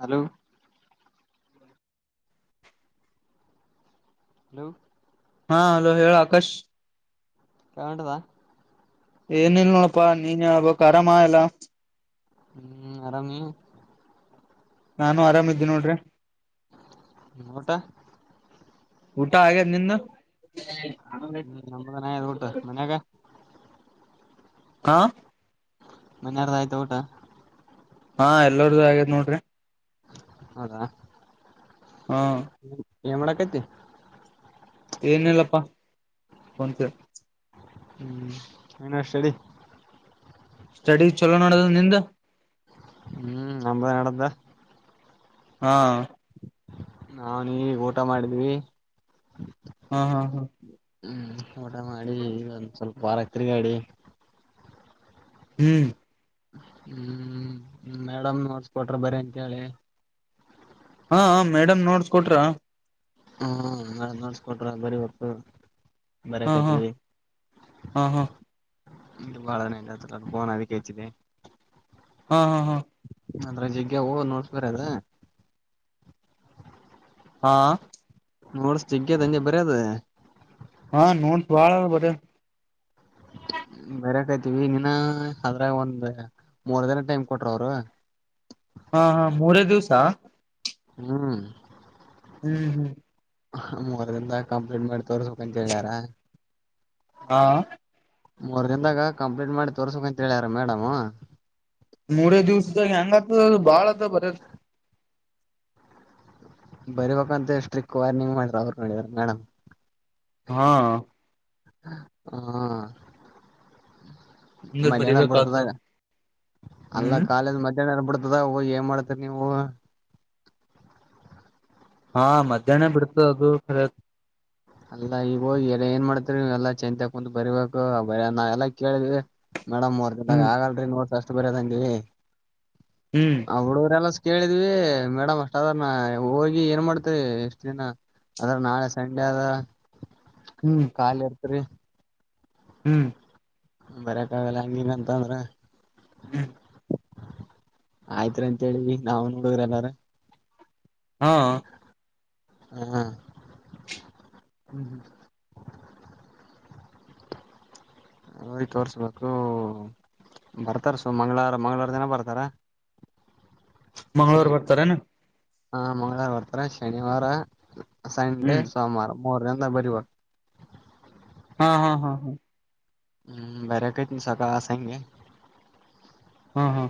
Hello hello ಹಾ hello ಹೇಳ್ ಆಕಾಶ್. ಕಟದಾ ಏನ್ ಇಲ್ಲ ನೋಡಪ್ಪಾ ನೀನ್ ಹೇಳ್ಬೇಕ್ ಆರಾಮ ಎಲ್ಲಾ. ಹ್ಮ್ ಆರಾಮ್ ನೀವು. ನಾನು ಆರಾಮಿದ್ದೆ ನೋಡ್ರಿ. ಊಟ ಊಟ ಆಗೆದ್ ನಿಂದ. ಹ್ಮ್ ನಮ್ದನ ಆಯ್ತು ಊಟ ಮನ್ಯಾಗ ಹಾ ಮನ್ನಯರದ್ ಆಯ್ತ ಊಟ. ಹಾ ಎಲ್ಲಾರ್ದು ಆಗ್ಯಾದ್ ನೋಡ್ರಿ. ಹೌದಾ. ಹಾ ಎನ್ ಮಾಡಕೈತಿ. ಏನ್ ಇಲ್ಲಪ್ಪಾ. [unintelligible] [inaudible] ಎನ್ ಸ್ಟಡಿ ಸ್ಟಡಿ ಚಲೋ ನಡದ್ ನಿಂದ. [inaudible] ಹ್ಮ್ ನಮ್ದ್ ನಡ್ದ ಹಾ ನಿವ್ ಇಗ್ ಊಟ ಮಾಡಿದ್ವಿ. ಹಾ ಹಾ ಹಾ ಹ್ಮ್ ಊಟ ಮಾಡಿ ಈಗ್ ಒಂದ್ ಸ್ವಲ್ಪ ಹೊರಗ್ ತಿರಗಾಡಿ. ಹ್ಮ್ ಹ್ಮ್ ಮೇಡಮ್ ನೋಡ್ಸ್ಕೊಟ್ರ ಬರಿಯಕ್ಕೆ ಹೇಳಿ. ಕೊಟ್ರಾ. ಹ್ಮ ನ ನೋಡ್ಸ್ಕೊಟ್ರ ಬರಿಬೇಕು. ಹಾ ಹಾ ಬರಕೈತಿವಿ ಹಾ ಹಾ ಇ ಬಾಳ ನೆಫನ್ ಅದ ಕೇಚಿದೆ ಹ್ಮ ಹಾ ಹಾ ಅದ್ರಗ ಜಗ್ಗೆ ಅವು ನೋಟ್ಸ್ ಬರಿ ಅದ್ರ. ಹಾ ನೋಟ್ಸ್ ಜಗ್ಗಿ ಅದೇ ಹಂಗೆ ಬರೆದೆ. ಹಾ ನೋಡ್ ಬಾಳ್ ಅದ ಬರೆಯೋದು. ಬರಕೈ್ತಿವಿ ಇನ್ನ ಅದ್ರಾಗ್ ಒಂದ್ ಮೂರ್ ದಿನ ಟೈಮ್ ಕೊಟ್ರ ಅವರು. ಹಾ ಹಾ ಮೂರೇ ದಿವ್ಸ. ಹ್ಮ್ ಹ್ಮ್ ಹ್ಮ್ ಮೂವರ್ ದಿನ ಕಂಪ್ಲೀಟ್ ಮಾಡ್ ತೋರ್ಸಬೇಕ್ ಅಂತ ಹೇಳರ. ಹಾ ಮೂರ್ ದಿನದಾಗ ಕಂಪ್ಲೀಟ್ ಮಾಡಿ ತೋರ್ಸಕ ಅಂತ್ ಹೇಳ್ಯಾರ ಮೇಡಮ್ ಮೂರೇ ದಿವ್ಸದಾಗ ಹೆಂಗತದ್ ಭಾಳ ಅದ್ ಬರೆದ್ ಬರಿಬೇಕ್ ಅಂತ ಸ್ಟ್ರಿಕ್ಟ್ ವಾರ್ನಿಂಗ್ ಮಾಡ್ರ ಅವ್ರು ನೋಡಿದ್ರ ಮೇಡಮ್. ಹಾ ಹ ಅಂದ್ರ ಮಧ್ಯಾಹ್ನ ಬರಿಬೇಕ್ ಆತದ ಬಿಡ್ತದಾಗ್ ಅಲ್ಲ ಹ್ಮ್ ಯಲ್ಲ ಕಾಲಜ್ ಮಧ್ಯಾಹ್ನ ಬಿಡ ಹದ ಏನ್ ಮಾಡ್ತರಿ ನೀವು. ಹಾ ಮಧ್ಯಾಹ್ನನೆ ಬಿಡ್ತ ಅ ಅದುರತ್ [inaudible] ಅಲ್ಲಾ ಈಗ್ ಹೋಗಿ ಎ ಏನ್ ಮಾಡ್ತ ಎಲ್ಲಾ ಚತ್ ಕುಂತ್ ಬರಿಬೇಕು ಬ ನಾವ್ ಎಲ್ಲಾ ಕೇಳಿದ್ವಿ. ಮೇಡಮ್ ಮೂರ್ ದಿನದ ಹ್ಮ್ ಆಗಲ್ರಿ ನೋ ಬರದಂಗೆ ಹ್ಮ್ ಆ ಹುಡುಗರೆಲ್ಲ ಕೇಳಿದ್ವಿ ಮೇಡಮ್ ಅಷ್ಟ ಅದ್ರ ನ ಹೋಗಿ ಏನ್ ಮಾಡ್ತರಿ ಎಷ್ಟ ದಿನ ಅದ್ರ ನಾಳೆ ಸಂಡೆ ಆದ. ಹ್ಮ್ ಕಾಲಿ ಇರ್ತ್ರಿ. ಹ್ಮ್ ಬರಕ್ಗಲ್ಲ ಹಂಗಿಗಂತ ಅಂದ್ರ. ಹ್ಮ್ ಆಯ್ತ್ರಿ ಅಂತೇಳಿ ನಾವು್ ನೋಡುದ್ರ ಎಲ್ಲಾರು. ಹಾ ಹ್ಮ ಹ್ಮ್ ಹ್ಮ್ ಹಯ್ ತೋರ್ಸ್ಬೇಕು ಬರ್ತಾರ್ ಸು ಮಂಗ್ಗಳಾರ್ ಮಂಗ್ಗಳವಾರ ದಿನ ಬರ್ತಾರ. ಮಂಗಳವಾರ ಬರ್ತಾರನು. ಹಾ ಮಂಗಳವಾರ ಬರ್ತಾರೆ ಶನಿವಾರ ಸಂಡೇ ಹ್ಮ್ ಸೋಮವಾರ. ಮೂರ್ ದಿಂದಗ್ ಬರಿಬೇಕು ಹಾ ಹಾ ಹಾ ಹಾ ಹ್ಮ್ ಬರೆಕತ್ತಿನ್ ಸೊಸಕಾಸ್ ಅಂಗೇ. ಹಾ ಹಾ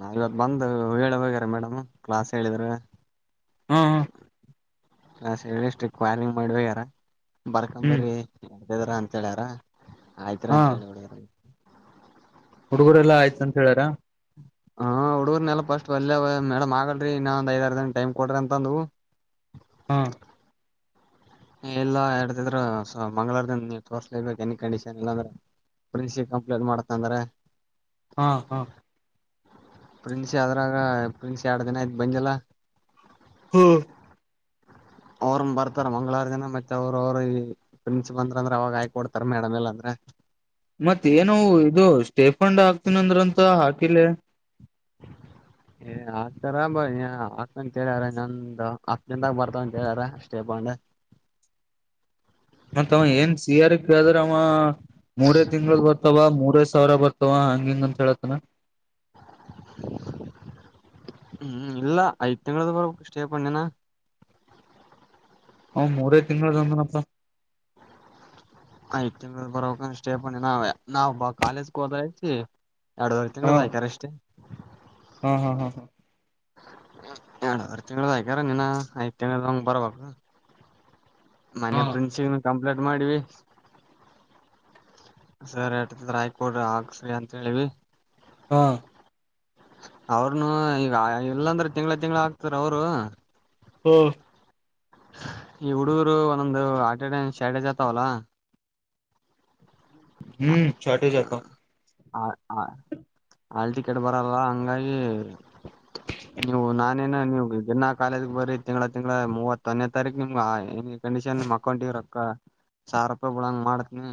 ನಾ ಇವತ್ ಬಂದು ಹೇಳಬೇಕ್ಯಾರ ಮೇಡಮ್ ಕ್ಲಾಸ್ ಹೇಳಿದ್ರೆ. ಹಾ ಕ್ಲಾಸ್ ಹೇಳಿ ಸ್ಟ್ರಿಕ್ಟ್ ವಾರ್ನಿಂಗ್ ಮಾಡಿ ಹೋಗ್ಯಾರ. ಹ್ಮ್ ಬರ್ಕಂಬರಿ [unintelligible] ಅಂತ ಹೇಳ್ಯಾರ. ಆಯ್ತರಾ ಅಂತ್ ಹೇಳಿ ಒಡಗ ಹುಡುಗರೆಲ್ಲ ಆಯ್ತ್ ಅಂತ್ ಹೇಳಾರ. ಹಾ ಹುಡುಗರ್ನೆಲ್ಲ ಫಸ್ಟ್ ಒಲ್ಲೇ ಮೇಡಮ್ ಆಗಲ್ರಿ ಇನ್ನ ಒಂದ್ ಐದ್ ಅರ್ ದನ ಟೈಮ್ ಕೊಡ್ರಿ ಅಂತಂದವು. ಹಾ ಇಲ್ಲ ಹೇಳ್ತಿದ್ರ ಮಂಗ್ಗಳೂಾರದಿಂದ ನೀ ತೋರ್ಸ್ಲಿಬೇಕ ಎನಿ ಕಂಡೀಷನ್ ಇಲ್ಲಾಂದ್ರೆ ಪ್ರಿನ್ಸಿ ಕಂಪ್ಲೇಂಟ್ ಮಾಡತ್ ಅಂದ್ರ. ಹಾ ಹಾ ಪ್ರಿನ್ಸಿ ಅದ್ರಾಗ್ ಪ್ರಿನ್ಸಿ ಎರಡ್ ದಿನ ಆಯ್ತ್ ಬಂದಿಲ್ಲ. ಹ ಅವ್ರನ್ ಬರ್ತಾರ ಮಂಗಳವಾರ ದಿನ ಮತ್ತೆ ಅವ್ರ ಅವರು ಈ ಪ್ರಿನ್ಸಿಪಲ್ ಅಂದ ಅಂದ್ರ ಅವಾಗ ಆಯ್ಕ ಕೊಡ್ತಾರ ಮೇಡಮ್ ಎಲ್ಲ ಅಂದ್ರೆ. ಮತ್ತ್ ಏನೋ ಇದು ಸ್ಟೇ ಕಕೊಂಡ್ ಹಾಕ್ತನ್ ಅಂದ್ರಂತ್ ಹಾಕಿಲ್ಲ. ಏ ಹಾಕ್ತಾರ್ ಬ ಹಾಕ್ತಂತ ಹೇಳ್ಯಾರ ಇನೊಂದು ಹತ್ತು ದಿನ್ದಾಗ ಬರ್ತವ ಅಂತ ಹೇಳ್ಯಾರ ಅ ಷ್ಟೇ ಫಂಡ್ ಮತ್ತವ್ ಏನ್ ಸೀ ಹಾರ ಗೇ ಕೇಳಿದ್ರೆ ಅವ ಮೂರೇ ತಿಂಗಳು ಬರ್ತವ ಮೂರೆ ಸಾವಿರ ಬರ್ತಾವ ಹಂಗ್ ಹಿಂಗ್ ಅಂತ ಹೇಳನ. ಹ್ಮ್ ಇಲ್ಲ ಐದ್ ತಿಂಗಗಳ್ದ ಬರ್ ಸ್ಟೇ ಫಂಡ್ ಅವ್ ಮೂರೇ ತಿಂಗಳು ಅಂತನಪ್ಪ. ಆಯ್ ಬರ್ ಸ್ಟಿಪೆಂಡ್ ನಾವ್ ಬ ಕಾಲೇಜ್ಗೆ ಹೋದಐತಿ. ಎರಡುವರೆ ಹಾ ತಿಂಗಳದ್ದು ಆಕಾರ್ ಅಷ್ಟೇ. [inaudible] ಹಾ ಹಾ ಹಾ ಎರಡು ಆರು ತಿಂಳ ಆಯಕ್ಯಾರ ನೀನ್ನ ಐತ್ ತಿಂಗಳದು ಬರ್ಬೇಕ. ಹಾ ಮನೆ ಪ್ರಿನ್ಸಿ ಕಂಪ್ಲೇಟ್ ಮಾಡಿವಿ. ಸರ್ ಆತದ್ ರಾಯ್ಕೋಡ್ರಿ ಆಕ್ಸ್ರ ಅಂತ ಹೇಳಿವಿ. ಹಾ ಅವ್ರನು ಈಗ್ ಇಲ್ಲಾಂದ್ರೆ ತಿಂಗಳ ತಿಂಗಳ ಆಗ್ತಾರ್ ಅವರು. ಹ್ಮ ಈ ಹುಡುಗರು ಒಂದೊಂದು ಅಟೆಂಡೆನ್ಸ್ ಶಾರ್ಟೇಜ್ ಆತಾವಲ್ಲ. ಹ್ಮ್ ಶರ್ಟೆಜತ್ತು. ಹ ಹಲ್ಲ್ ಟಿಕೆಟ್ ಬರಲ್ಲ ಹಂಗಾಗಿ ನೀವು ನಾನೇ ನೀವ್ ದನ್ನ ಕಾಲೇಜ ಬರರಿ ತಿಂಗಗಳ ತಿಂಗಗಳ ಮೂವತ್ತೊನೇ ತಾರೀಕು ನಿಮ್ ಏನ ಕಂಡೀಷನ್ ನಿಮ್ ಅಕೌಂಟ್ಕ್ಕ ಸಾವಿರ ರೂಪಾಯಿ ಬಿಳಂಗ ಮಾಡತನಿ.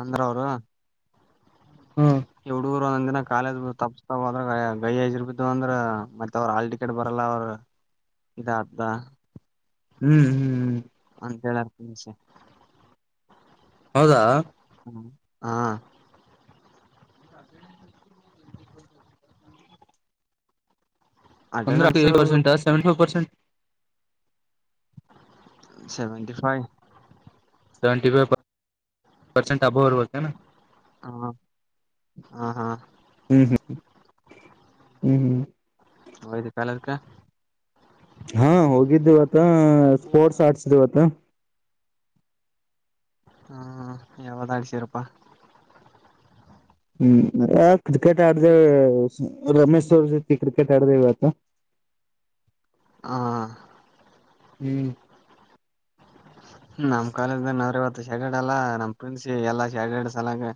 ಅಂದ್ರ ಅವರು. ಹ್ಮ್ ಎವಡುು ಒಂದ್ ದಿನ ಕಾಲೇಜ್ ತಪ್ಪತಾದ್ರ ಗೈ ಐದು್ ರರುಪ ಅಂದ್ರ ಮತ್ತೆ ಅವ್ರ ಹಾಲ್ ಟಿಕೆಟ್ ಬರಲ್ಲ ಅವ್ರ ಇದ್ ಅತ್ ಹ್ಮ್ ಹ್ಮ್ ಹ್ಮ್ ಹ ಸ [inaudible] ಹೌದಾ ಹಾ ಒಂದ್ ಅಟೆಂಡೆನ್ಸು ಪರ್ಸಂ ಸೆವೆಫೈರ್ ಪ [unintelligible] ಸೆವೆಂಟಿಫೈವ್ ಸೆವೆಂಟಿ ಫೈವ್ [inaudible] ಬರ್ಬತ್ತ ಹ ಹಾ ಹಾ ಹ್ಮ ಹ. ಹ್ಮ್ ಹ್ಮ್ ಹೋಗಿದ್ದ ಕಾಲ್ಯಾಕ್ಕ್. ಹಾ ಹೋಗಿದ್ದೇವತ್ತೆ ಸ್ಪೋರ್ಟ್ಸ್ ಆಡ್ಸಿದವತ್ತು ಹ್ಮ್ ಯಾವ್ದ ಅಳ್ ಸಿರಪ್ಪಾ. ಹ್ಮ್ ಹ ಕ್ರಿಕೆಟ್ ಆಡ್ ದೆ ರಮೇಶ್ ಸರ್ ಜೊತೆ ಕ್ರಿಕೆಟ್ ಚಡದೆವತ [unintelligible] ಹ ಹ್ಮ್ ನಮ್ ಕಾಲೇಜ್ ಅವ್ರ ಇವತ್ತು ಶಡ್ ಅಲ್ಲಾ ನಮ್ ಪ್ರನ್ಸ ಎಲ್ಲಾ ಶಡ್ ಸಲಾಗ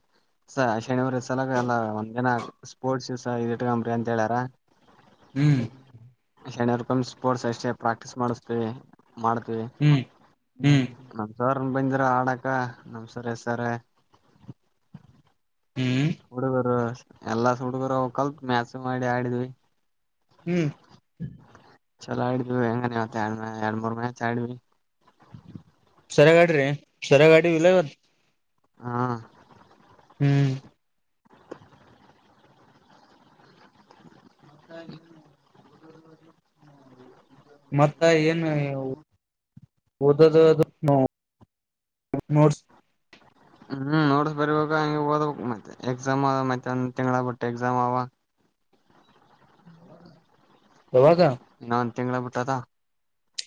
ಶನಿವಾರ ಸಲಾಗ ಎಲ್ಲಾ ಒಂದ್ ಜನ ಸ್ಪೋರ್ಟ್ ಶೂ ಸ ಇದಿಟ್ಕಂಬ್ರಿ ಅಂತ ಹೇಳಾರ. ಹ್ಮ್ ಣ್ ಸ್ಪೋರ್ಟ್ಸ್ ಅಷ್ಟೇ ಪ್ರಾಕ್ಟೀಸ್ ಮಾಡಿಸ್ತೀವಿ. ಮಾಡ್ತೀವಿ ಹ್ಮ್ ಹ್ಮ್ ನಮಸರ್ ನ್ ಬಂದಿರ ಆಡಾಕ ನಮ್ಸರಿ ಸರ್ ಹ್ಮ್ ಹಡ್ ಬರುವ ಎಲ್ಲಾ ಸುಡ್ಗರ ಕಲ್ತ್ ಮ್ಯಾಸ್ ಮಾಡಿ ಆಡಿದ್ವಿ. ಹ್ಮ್ ಚಲೋ ಆಡ್ವಿ ಹೆಂಗನವತ್ತ ಎರಡ್ ಮುರ್ ಎರಡ್ ಮೂರ್ ಮೇತ್ ಆ್ವ. ಸರಗಾಡಿ ರೀ ಸರಗಾಡಿ ಇಲ್ಲವತ್ತು ಹಾ ಹ್ಮ್ ಹ ಮತ್ತ್ ಏನು ಓದದ್ ನೋಡ್ [inaudible] ಹ್ಮ್ ನೋಡ್ಸ್ ಬರ್ಬೇಕಾಗ ಹ ಹಓದ್ ಮತ್ತೆ ಎಕ್ಸಾಮ್ ಅವ ಮತ್ತೆ ಒಂದ್ ತಿಂಗ್ಳಾಗಗ್ಬಿಟ್ಟ ಎಕ್ಸಾಮ್ ಅವ. ಯಾವಾಗ ತಿಂಗಗಳ ಬಿಟ್ಟದ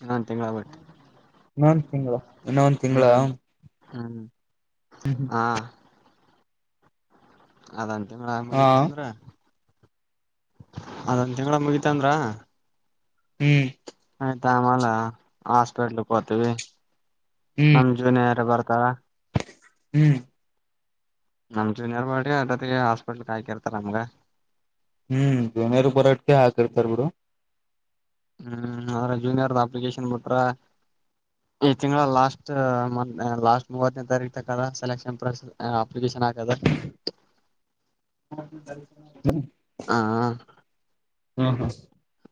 ನನ್ ತಿಂಗಗಳ ಬಿಟ್ಟು. ಇನ್ನೊಂದು ತಿಂಗಳ ಇನ್ನೊಂದು ತಿಂಗಳ. ಹ್ಮ ಹಾ ಅದನ್ ತಿಂಗಳ ಹಾ ಮುಗೀತಂದ್ರ. ಅದಂದ ತಿಂಗಳ ಮುಗಿತ ಅಂದ್ರ. ಹ್ಮ್ ಆಯ್ತಾ ಆಮಲ್ಲ ಹಾಸ್ಪಿಟಲ್ ಗೋತೀವಿ. ಹ್ಮ್ ನಮ್ ಜೂನಿಯರ್ ಬರ್ತ್. ತ್ತ ಹ್ಮ್ ನಮ್ ಜೂನಿಯರ್ ಬಾಟಿಗೆ ಆಟತಿಗೆ ಹಾಸ್ಪಿಟ್ಲ್ ಹಾಕಿರ್ತಾರ ನಮ್ಗ. ಹ್ಮ್ ಜೂನಿಯರ್ ಬರಟಿಗೆ ಹಾಕಿರ್ತಾರ ಬಿಡು. ಹ್ಮ್ ಅವ್ರ ಜೂನಿಯರ್ ಅಪ್ಲಿಕೇಶನ್ ಬಿಟ್ರ ಈ ತಿಂಗಳ ಲಾಸ್ಟ್ ಲಾಸ್ಟ್ ಮೂವತ್ತನೇ ತಾರೀಕ್ ತಕದ ಸೆಲೆಕ್ಷನ್ ಅಪ್ಲಿಕೇಶನ್ ಹಾಕದ. ಹಾ ಹಾ ಹಾ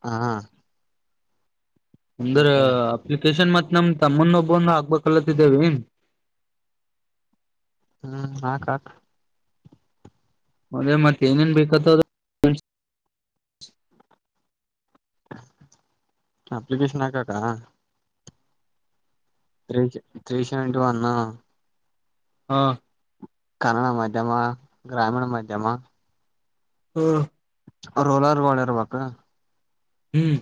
ಹಾ ಹಾ ಅಂದ್ರ ಅಪ್ಲಿಕೇಶನ್ ಮತ್ ನಮ್ ತಮ್ಮನ ಒಬ್ಬಂದ ಹಾಕ್ಬ [unintelligible] ಹ್ಮ್ ಹಾಕಾಕ್. ಅದೇ ಮತ್ತೆ ಏನೇನ್ ಬೇಕತ ಅಪ್ಲಿಕೇಶನ್ ಹಾಕಕ್ಕ. ತ್ರೀ ತ್ರೀ ಶರ್ಟ್ ಅಣ್ಣ ಹಾ ಕನ್ನಡ ಮಾಧ್ಯಮ ಗ್ರಾಮೀಣ ಮಾಧ್ಯಮ. ಹ್ಮ ರೋಲರ್ಗಳ ಮಾಡಿರಬೇಕ. ಹ್ಮ್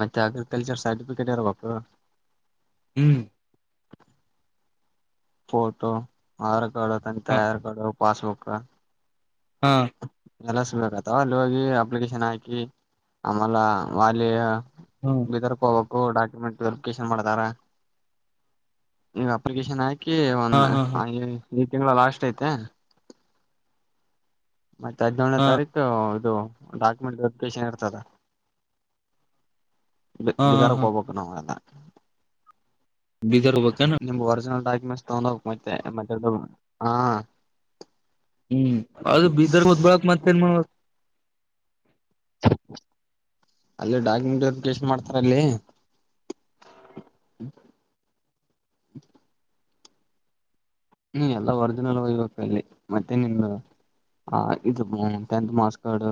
ಮತ್ತೆ ಅಗ್ರಿಕಲ್ಚರ್ ಸರ್ಟಿಫಿಕೇಟ್ ಇರಬೇಕು. ಹ್ಮ್ ಫೋಟೋ ಆರ್ ತೊಳ್ಕೊಂತಾ ಹಾ ಇರ್ಬೋದು. ಪಾಸ್ ಬುಕ್ಕ ಹಾ ಎಲಸ್ ಬೇಕ್ತವ ಅಲ್ಲಿ ಹೋಗಿ ಅಪ್ಲಿಕೇಶನ್ ಹಾಕಿ ಆಮೇಲೆ ವಾಲೈ. ಹಾ ಬೀದರ್ ಹೋಗು ಹೂ ಡಾಕ್ಯುಮೆಂಟ್ ವೆರಿಫಿಕೇಶನ್ ಮಾಡ್ತಾರ ನೀವು ಅಪ್ಲಿಕೇಶನ್ ಆಕಿ. ಕೆ ಹಾ ಒನ್ನ ಹಾ [unintelligible] ಈ ತಿಂಗಳ್ ಲಾಸ್ಟ್ ಐತೆ ಮತ್ತ್ ಹದನೇಳನೇ ಹಾ ತಾರೀಕು ಇದ್ ಡಾಕ್ಯುಮೆಂಟ್ ವೆರಿಫಿಕೇಶನ್ ಇರ್ತದ ಹಾ ಹಾ ಬಗಾರೋ ಹಾ ಕಬಕ್ ನಲ್ಲ ಬೀದರ್ ಹೋಗ್ಬೇಕೇನ ನಿಮ್ ಒರಿಜಿನಲ್ ಮಸ್ತ್ ತಗೊಂಡ್ ಹೋಗ ಮತ್ತೆ ಮತ್ತೆ ಹಾ ಹ್ಮ್ ಅದ್ ಬೀದರ್ ದ್ಬಳಕ್ ಮತ್ತ ಏನ್ ಮಾಡ್ ಅಲ್ಲೇ ಡಾಕ್ಯುಮೆಂಟ್ ವೆರಿಫಿಕೇಶನ್ ಮಾಡ್ತಾರ ಅಲ್ಲಿ [inaudible] ಹ್ಮ ಎಲ್ಲ ಒರ್ಜಿನಲ್ ಹೋಗ್ಬೇಕ್ ಇಲ್ಲಿ ಮತ್ತೆ ನಿಮ್ದ ಆ ಇದು ಟೆಂತ್ ಮಾಸ್ ಕಾರ್ಡ್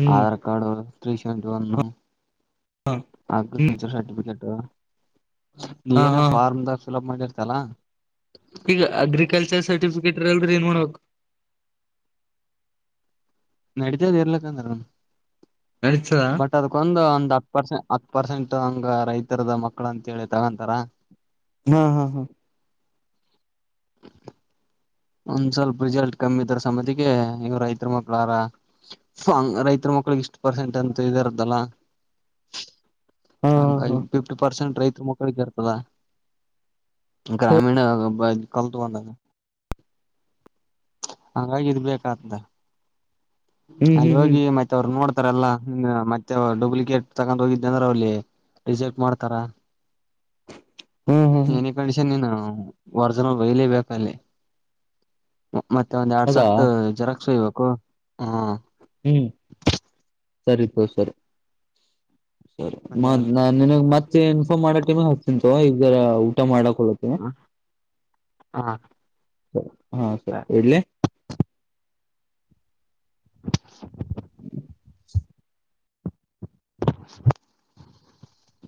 ಹ್ಮ್ Aadhaar card. Three seventy one. ಹಾ ಆ ಹ್ಮ್ ಸರಫಿಕಟ್ [unintelligible] ಟ ಹಾ ನೀನ್ ಹಾ ಫಾರ್ಮದಫಲಪ್ ಮೆ ತಲ್ಲಾ ಈಗ ಅಗ್ರಿಕಲ್ಚರ್ ಸರ್ಟಿಫಿಕೇಟ್ ಇರಲ್ರಿ ಏನ್ ಮಾಡ್ಬೇಕ್ ನಡತದ್ ಇರ್ಲಕ್ಕ ಅಂದ್ರ ನ ನಡೀತದ ಬಟ್ ಅದ್ಕೊಂದು ಒಂದ್ ಹತ್ತ್ ಪರ್ಸೆಂಟ್ ಹತ್ತ್ ಪರ್ಸೆಂಟ್ ಹಂಗ್ ರೈತರದ ಮಕ್ಕಳ ಅಂತೇಳಿ ತಗೊಂತಾರ ಹಾ ಹಾ ಹಾ ಒಂದ್ ಸ್ವಲ್ಪ ರಿಸಲ್ಟ್ ಕಮ್ಮಿ ಇದಾರ ಸಮತಿಗೆ ಈಗ ರೈತ ಮಕ್ಳಾರ ರೈತ ಮಕ್ಳಿಗೆ ಇಷ್ಟು ಪರ್ಸೆಂಟ್ ಅಂತ್ ಇದಾರತಲ್ಲ ಹಾ ಹ ಹಾ ಹಾ ಫಿಫ್ಟಿ ಪರ್ಸೆಂಟ್ ರೈತ ಮಕ್ಕಳಿಗೆ ಇರ್ತದ ಗ್ರಾಮೀಣ ಕಲ್ತ್ ಬಂದಾಗ ಹಂಗಾಗಿ ಇದ್ ಬೇಕತಾ ಹ್ಮ್ ಅಲ್ಲಿ ಹ್ಮ್ ಹ್ಮ್ ಹೋಗಿ ಮತ್ ಅವ್ರರು ನೋಡ್ ಲ್ಲ ಮತ್ತೆ ಡೂಪ್ಲಿಕೇಟ್ ತಗೊಂಡ್ ಹೋಗಿದ ಅಂದ್ರೆ ಅವಲ್ಲಿ ರಿಜೆಕ್ಟ್ ಮಾಡ್ತಾರ. ಹ್ಮ್ ಹ್ಮ್ ಹ್ಮ್ ಏನೇ ಕಂಡಷನ್ ನೀನು ಹ್ಮ ವರ್ಜನ್ ವಯಲೇ ಬೇಕಲ್ಲಿ. ಮತ್ತೆ ಒಂದ್ ಎರಡ್ ಅದಾ ಸಟ್ ಜೆರಕ್ಸ ವಾಯಿಬೇಕು. ಹಾ ಹ್ಮ್ ಸರಿ ಸ ಸರಿ ಸರಿ ಒಂದ್ ಮ ಎರಡ್ ನ ನಿನಗ್ ಮತ್ತೆ ಇನ್ಫಾರ್ಮ್ ಮಾಡಕ್ ಟಮ ಹಕ್ತಿಂತ ಈರ ಊಟ ಮಾಡಕ್ ಹೊತೀ ಹಾ ಹಾ ಸರಿ ಇಡ್ಳಲಿ. ಹ್ಮ್ [inaudible]